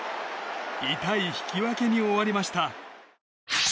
痛い引き分けに終わりました。